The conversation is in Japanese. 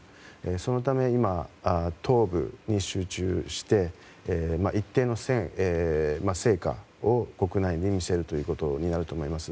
そのため、東部に集中して一定の成果を国内に見せるということになると思います。